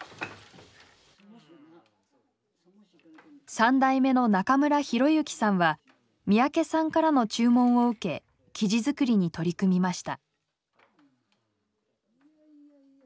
３代目の中村博行さんは三宅さんからの注文を受け生地づくりに取り組みました。